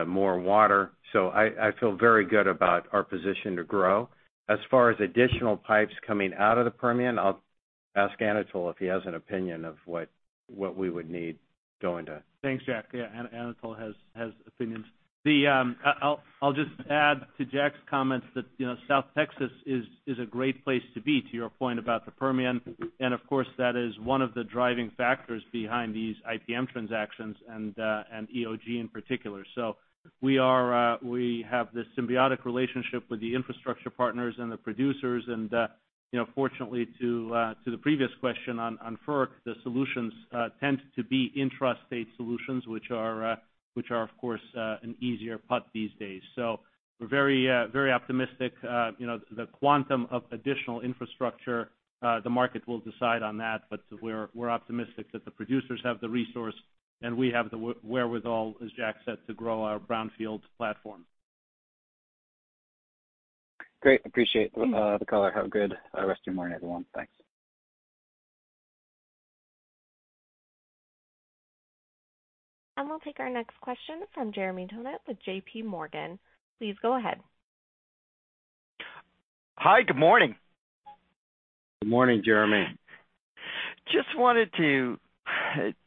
more water. I feel very good about our position to grow. As far as additional pipes coming out of the Permian, I'll ask Anatol if he has an opinion of what we would need going to Thanks, Jack. Yeah, Anatol has opinions. I'll just add to Jack's comments that, you know, South Texas is a great place to be, to your point about the Permian. Of course, that is one of the driving factors behind these IPM transactions and EOG in particular. We have this symbiotic relationship with the infrastructure partners and the producers. You know, fortunately to the previous question on FERC, the solutions tend to be intrastate solutions, which are, of course, an easier putt these days. We're very optimistic. You know, the quantum of additional infrastructure, the market will decide on that. We're optimistic that the producers have the resource, and we have the wherewithal, as Jack said, to grow our brownfield platform. Great. Appreciate the color. Have a good rest of your morning, everyone. Thanks. We'll take our next question from Jeremy Tonet with JPMorgan. Please go ahead. Hi. Good morning. Good morning, Jeremy. Just wanted to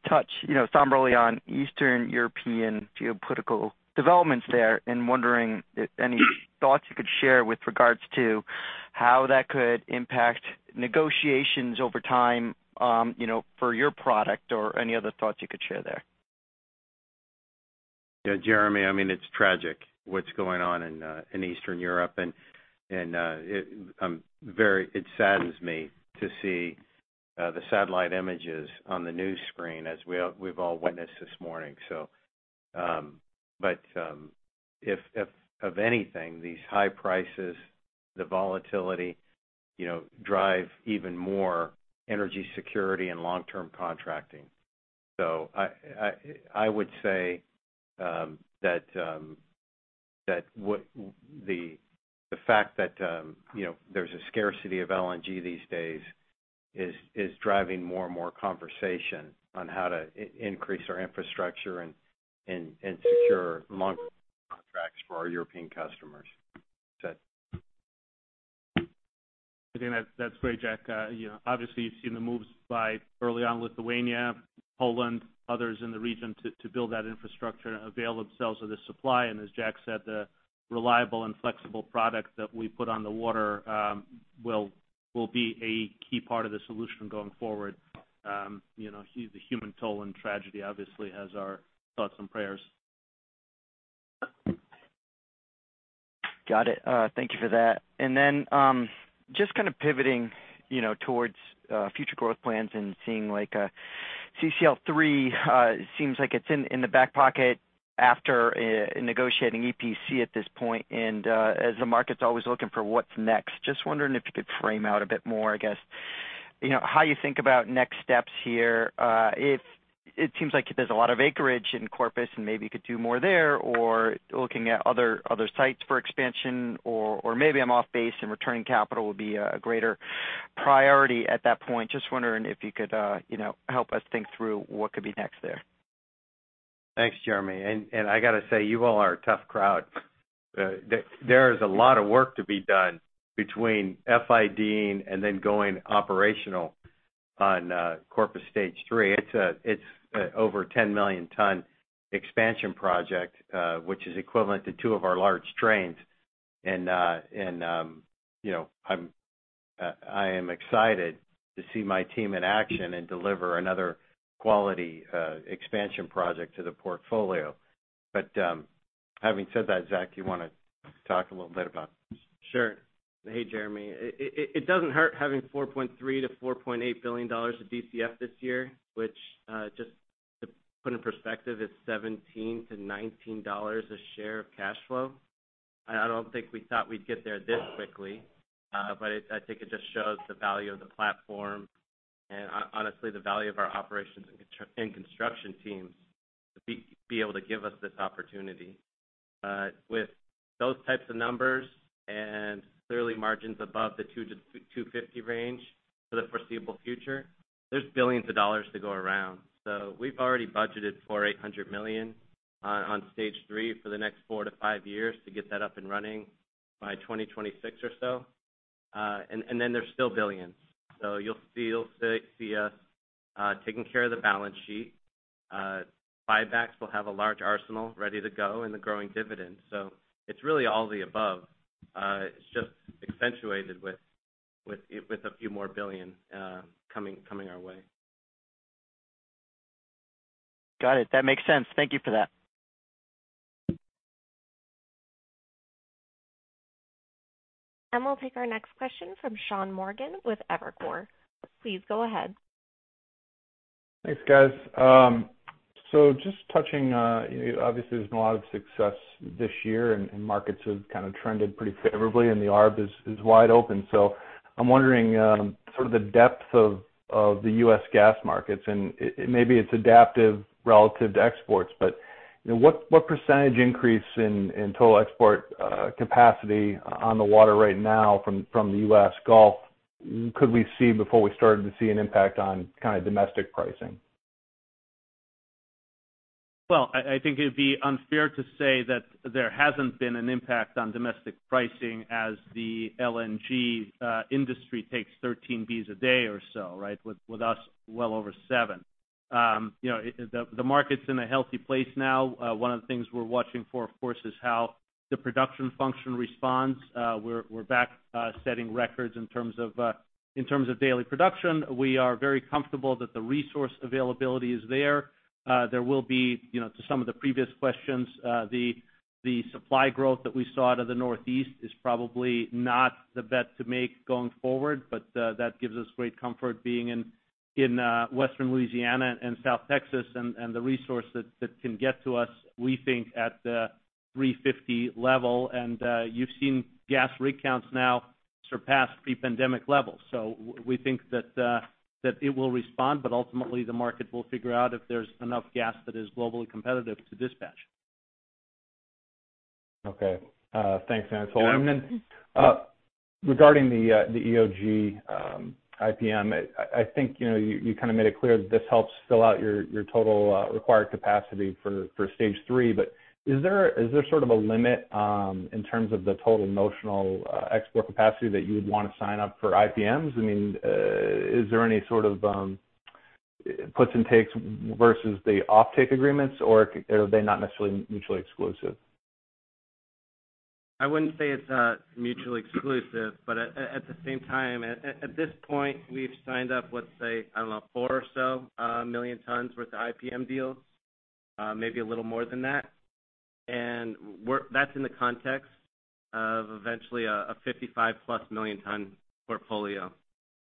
touch, you know, somberly on Eastern European geopolitical developments there and wondering if any thoughts you could share with regards to how that could impact negotiations over time, you know, for your product or any other thoughts you could share there? Yeah, Jeremy, I mean, it's tragic what's going on in Eastern Europe. It saddens me to see the satellite images on the news screen as we've all witnessed this morning. If anything, these high prices, the volatility, you know, drive even more energy security and long-term contracting. I would say that the fact that you know there's a scarcity of LNG these days is driving more and more conversation on how to increase our infrastructure and secure long contracts for our European customers. That's it. I think that's great, Jack. You know, obviously you've seen the moves by early on Lithuania, Poland, others in the region to build that infrastructure and avail themselves of this supply. As Jack said, the reliable and flexible product that we put on the water will be a key part of the solution going forward. You know, the human toll and tragedy obviously has our thoughts and prayers. Got it. Thank you for that. Just kind of pivoting, you know, towards future growth plans and seeing like CCL III seems like it's in the back pocket after negotiating EPC at this point. As the market's always looking for what's next, just wondering if you could flesh out a bit more, I guess, you know, how you think about next steps here. If it seems like there's a lot of acreage in Corpus and maybe you could do more there or looking at other sites for expansion, or maybe I'm off base and returning capital would be a greater priority at that point. Just wondering if you could, you know, help us think through what could be next there. Thanks, Jeremy. I gotta say, you all are a tough crowd. There is a lot of work to be done between FID-ing and then going operational on Corpus Christi Stage 3. It's over 10 million-ton expansion project, which is equivalent to two of our large trains. You know, I am excited to see my team in action and deliver another quality expansion project to the portfolio. Having said that, Zach, you wanna talk a little bit about this? Sure. Hey, Jeremy. It doesn't hurt having $4.3 billion-$4.8 billion of DCF this year, which just to put in perspective, is $17-$19 a share of cash flow. I don't think we thought we'd get there this quickly, but I think it just shows the value of the platform and honestly, the value of our operations and construction teams to be able to give us this opportunity. With those types of numbers and clearly margins above the $2-$2.50 range for the foreseeable future, there's U.S.$ billions to go around. We've already budgeted $480 million on Stage 3 for the next four to five years to get that up and running by 2026 or so. Then there's still U.S.billions. You'll still see us taking care of the balance sheet. Buybacks will have a large arsenal ready to go and the growing dividend. It's really all the above. It's just accentuated with a few more billion coming our way. Got it. That makes sense. Thank you for that. We'll take our next question from Sean Morgan with Evercore ISI. Please go ahead. Thanks, guys. Just touching, obviously there's been a lot of success this year and markets have kind of trended pretty favorably, and the arb is wide open. I'm wondering, sort of the depth of the U.S. gas markets, and maybe it's additive relative to exports, but you know, what percentage increase in total export capacity on the water right now from the U.S. Gulf could we see before we started to see an impact on kind of domestic pricing? Well, I think it'd be unfair to say that there hasn't been an impact on domestic pricing as the LNG industry takes 13 billion cubic feet per day or so, right? With us well over 7 billion cubic feet per day. You know, the market's in a healthy place now. One of the things we're watching for, of course, is how the production function responds. We're back setting records in terms of daily production. We are very comfortable that the resource availability is there. There will be, you know, to some of the previous questions, the supply growth that we saw out of the Northeast is probably not the bet to make going forward, but that gives us great comfort being in Western Louisiana and South Texas and the resource that can get to us, we think at $3.50 level. You've seen gas rig counts now surpass pre-pandemic levels. We think that it will respond, but ultimately the market will figure out if there's enough gas that is globally competitive to dispatch. Okay. Thanks, Anatol. Yeah. Regarding the EOG IPM, I think, you know, you kind of made it clear that this helps fill out your total required capacity for Stage 3. Is there sort of a limit in terms of the total notional export capacity that you would wanna sign up for IPMs? I mean, is there any sort of puts and takes versus the offtake agreements, or are they not necessarily mutually exclusive? I wouldn't say it's mutually exclusive. At the same time, at this point, we've signed up, let's say, I don't know, 4 million tons or so million tons worth of IPM deals, maybe a little more than that. That's in the context of eventually a 55+ million ton portfolio.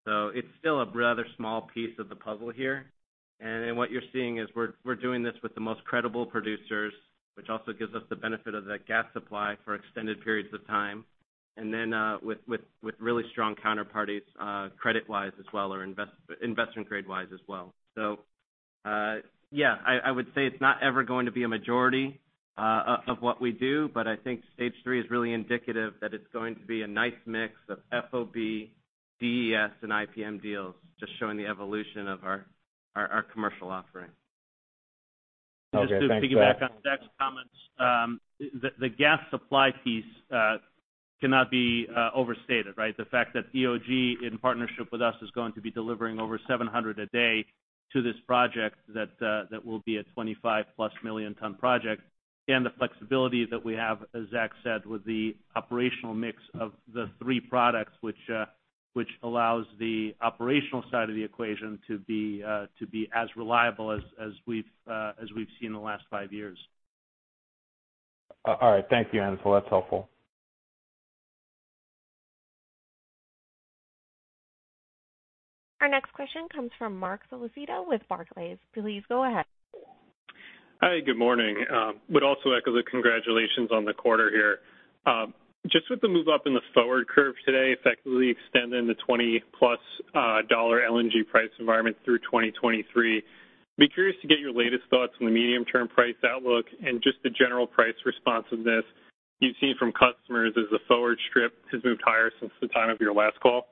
It's still a rather small piece of the puzzle here. Then what you're seeing is we're doing this with the most credible producers, which also gives us the benefit of that gas supply for extended periods of time. Then with really strong counterparties, credit-wise as well, or investment grade-wise as well. Yeah, I would say it's not ever going to be a majority of what we do, but I think Stage 3 is really indicative that it's going to be a nice mix of FOB, DES and IPM deals, just showing the evolution of our commercial offering. Okay, thanks, Zach. Just to piggyback on Zach's comments, the gas supply piece cannot be overstated, right? The fact that EOG in partnership with us is going to be delivering over 700 tons a day to this project that will be a 25+ million ton project. Again, the flexibility that we have, as Zach said, with the operational mix of the three products which allows the operational side of the equation to be as reliable as we've seen in the last five years. All right. Thank you, Anatol Feygin. That's helpful. Our next question comes from Marc Solecitto with Barclays. Please go ahead. Hi, good morning. Would also echo the congratulations on the quarter here. Just with the move up in the forward curve today, effectively extending the $20+ LNG price environment through 2023, I'd be curious to get your latest thoughts on the medium-term price outlook and just the general price responsiveness you've seen from customers as the forward strip has moved higher since the time of your last call.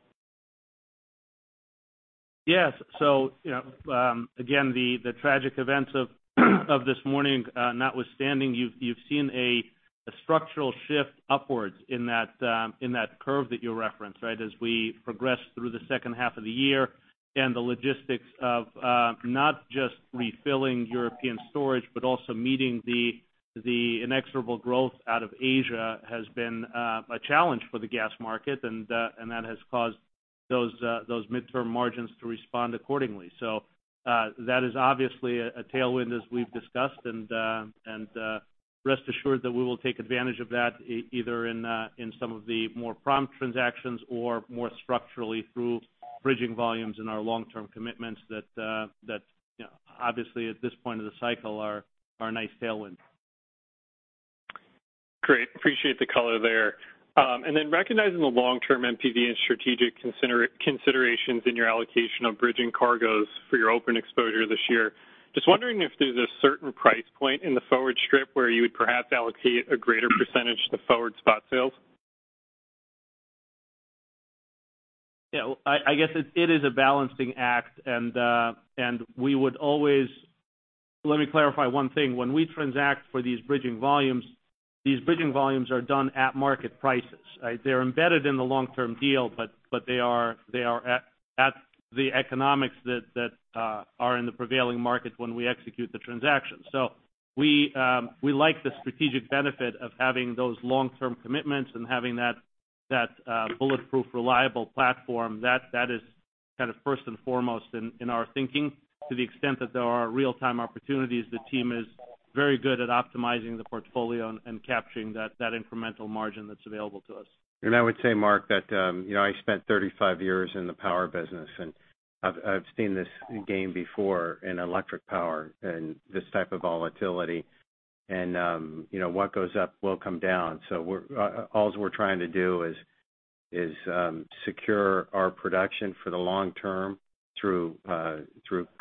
Yes. You know, again, the tragic events of this morning, notwithstanding, you've seen a structural shift upwards in that curve that you referenced, right? As we progress through the second half of the year and the logistics of not just refilling European storage, but also meeting the inexorable growth out of Asia has been a challenge for the gas market. That has caused those midterm margins to respond accordingly. That is obviously a tailwind as we've discussed. Rest assured that we will take advantage of that either in some of the more prompt transactions or more structurally through bridging volumes in our long-term commitments that you know, obviously at this point of the cycle are a nice tailwind. Great. Appreciate the color there. Recognizing the long-term NPV and strategic considerations in your allocation of bridging cargoes for your open exposure this year, just wondering if there's a certain price point in the forward strip where you would perhaps allocate a greater percentage to forward spot sales? Yeah. I guess it is a balancing act, and we would always. Let me clarify one thing. When we transact for these bridging volumes, these bridging volumes are done at market prices, right? They're embedded in the long-term deal, but they are at the economics that are in the prevailing market when we execute the transaction. We like the strategic benefit of having those long-term commitments and having that bulletproof reliable platform that is kind of first and foremost in our thinking. To the extent that there are real-time opportunities, the team is very good at optimizing the portfolio and capturing that incremental margin that's available to us. I would say, Marc, that, you know, I spent 35 years in the power business, and I've seen this game before in electric power and this type of volatility. You know, what goes up will come down. We're trying to do is secure our production for the long term through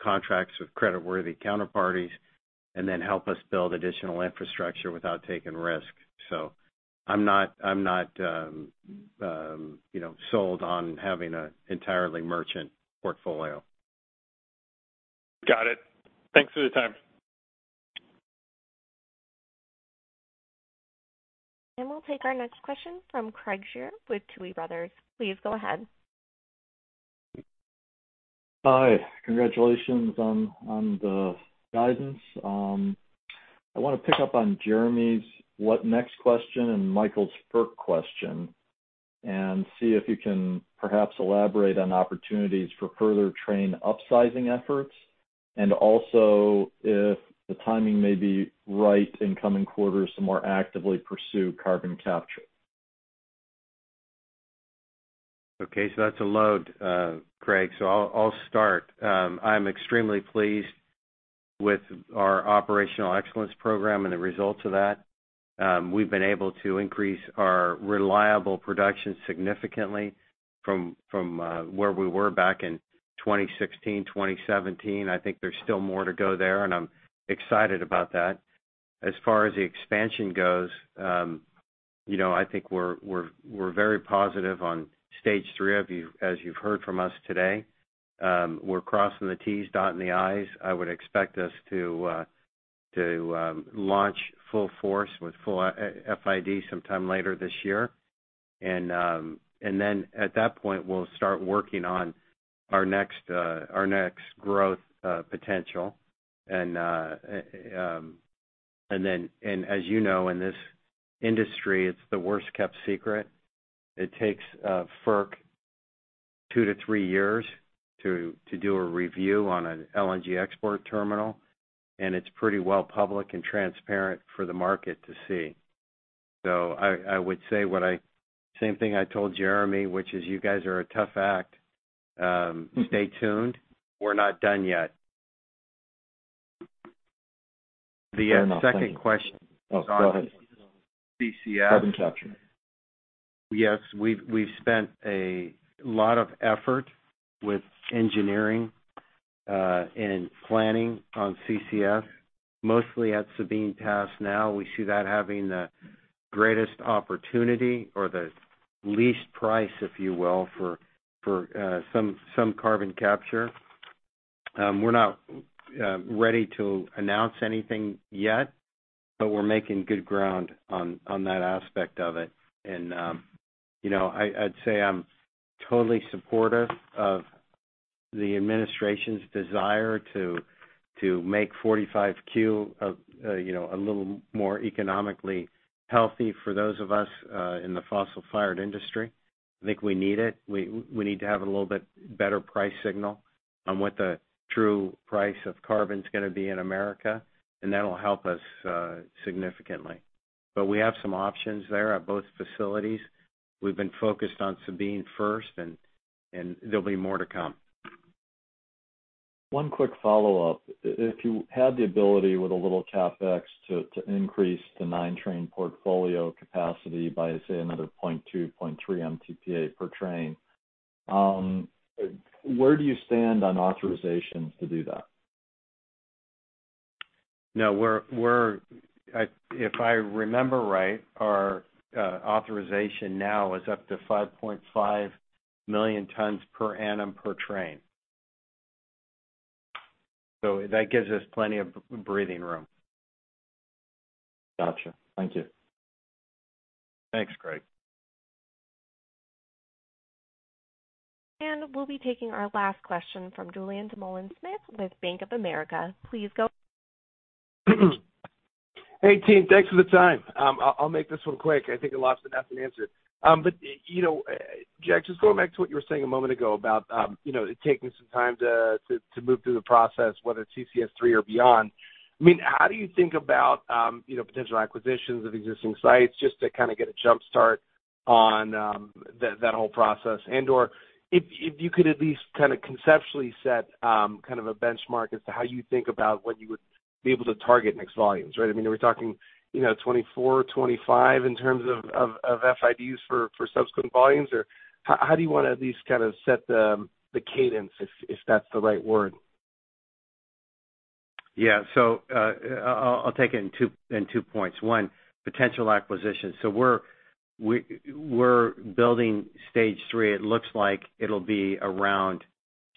contracts with creditworthy counterparties, and then help us build additional infrastructure without taking risk. I'm not, you know, sold on having an entirely merchant portfolio. Got it. Thanks for the time. We'll take our next question from Craig Shere with Tuohy Brothers. Please go ahead. Hi. Congratulations on the guidance. I wanna pick up on Jeremy's what next question and Michael's FERC question and see if you can perhaps elaborate on opportunities for further train upsizing efforts and also if the timing may be right in coming quarters to more actively pursue carbon capture. Okay. That's a lot, Craig. I'll start. I'm extremely pleased with our operational excellence program and the results of that. We've been able to increase our reliable production significantly from where we were back in 2016, 2017. I think there's still more to go there, and I'm excited about that. As far as the expansion goes, you know, I think we're very positive on Stage 3, as you've heard from us today. We're crossing the T's, dotting the I's. I would expect us to launch full force with full FID sometime later this year. Then at that point, we'll start working on our next growth potential. As you know, in this industry, it's the worst-kept secret. It takes FERC two to three years to do a review on an LNG export terminal, and it's pretty well public and transparent for the market to see. I would say same thing I told Jeremy, which is you guys are a tough act. Stay tuned. We're not done yet. The second question- Oh, go ahead. CCS. Carbon capture. Yes. We've spent a lot of effort with engineering and planning on CCS, mostly at Sabine Pass now. We see that having the greatest opportunity or the least price, if you will, for some carbon capture. We're not ready to announce anything yet, but we're making good ground on that aspect of it. You know, I'd say I'm totally supportive of the administration's desire to make 45Q a little more economically healthy for those of us in the fossil-fired industry. I think we need it. We need to have a little bit better price signal on what the true price of carbon is gonna be in America, and that'll help us significantly. We have some options there at both facilities. We've been focused on Sabine first, and there'll be more to come. One quick follow-up. If you had the ability with a little CapEx to increase the nine-train portfolio capacity by, say, another 0.2 million tons per annum-0.3 million tons per annum per train, where do you stand on authorizations to do that? No, if I remember right, our authorization now is up to 5.5 million tons per annum per train. That gives us plenty of breathing room. Gotcha. Thank you. Thanks, Craig. We'll be taking our last question from Julien Dumoulin-Smith with Bank of America. Please go- Hey, team. Thanks for the time. I'll make this one quick. I think it'll last enough as an answer. You know, Jack, just going back to what you were saying a moment ago about, you know, taking some time to move through the process, whether it's Corpus Christi Stage 3 or beyond. I mean, how do you think about, you know, potential acquisitions of existing sites just to kinda get a jump start on that whole process? And/or if you could at least kinda conceptually set kind of a benchmark as to how you think about what you would be able to target next volumes, right? I mean, are we talking, you know, 2024, 2025 in terms of FIDs for subsequent volumes? How do you wanna at least kind of set the cadence, if that's the right word? I'll take it in two points. One, potential acquisitions. We're building Stage 3. It looks like it'll be around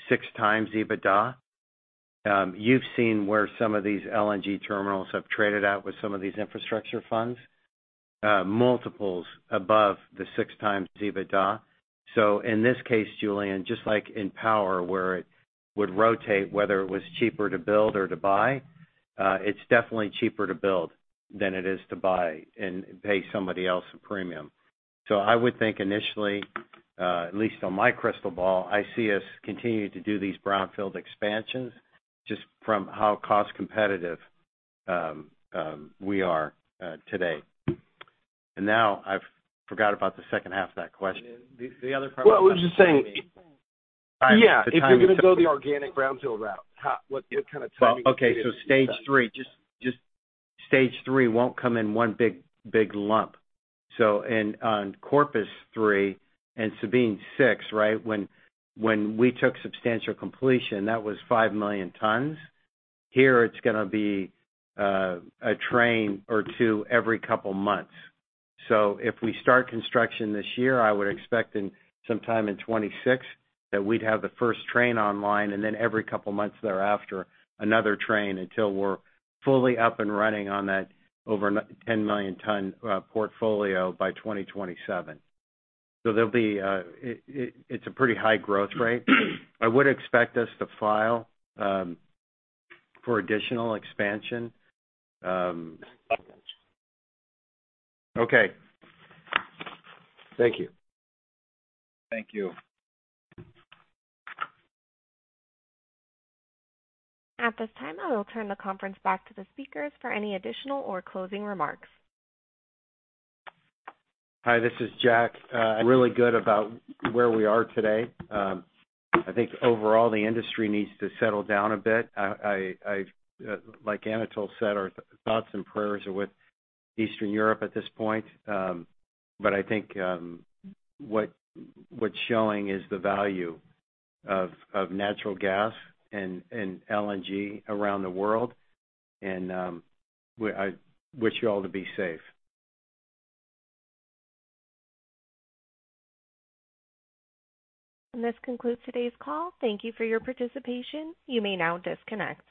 6x EBITDA. You've seen where some of these LNG terminals have traded out with some of these infrastructure funds, multiples above the 6x EBITDA. In this case, Julien, just like in power where it would rotate, whether it was cheaper to build or to buy. It's definitely cheaper to build than it is to buy and pay somebody else a premium. I would think initially, at least on my crystal ball, I see us continuing to do these brownfield expansions just from how cost competitive we are today. Now I've forgot about the second half of that question. The other part Well, I was just saying. All right. Yeah. If you're gonna go the organic brownfield route, what kind of timing Well, okay. Stage 3. Just Stage 3 won't come in one big lump. In Corpus 3 and Sabine 6, right, when we took substantial completion, that was 5 million tons. Here, it's gonna be a train or two every couple months. If we start construction this year, I would expect sometime in 2026 that we'd have the first train online, and then every couple months thereafter, another train until we're fully up and running on that over 10 million ton portfolio by 2027. There'll be, it's a pretty high growth rate. I would expect us to file for additional expansion. Okay. Thank you. Thank you. At this time, I will turn the conference back to the speakers for any additional or closing remarks. Hi, this is Jack. I feel really good about where we are today. I think overall, the industry needs to settle down a bit. Like Anatol said, our thoughts and prayers are with Eastern Europe at this point. But I think what's showing is the value of natural gas and LNG around the world. I wish you all to be safe. This concludes today's call. Thank you for your participation. You may now disconnect.